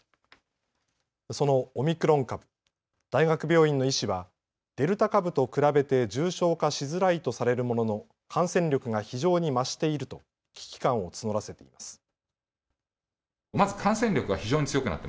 そのオミクロン株、大学病院の医師はデルタ株と比べて重症化しづらいとされるものの感染力が非常に増していると危機感を募らせています。